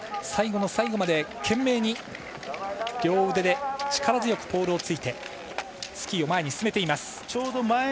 最後の最後まで懸命に両腕で力強くポールをついてスキーを前に進めています。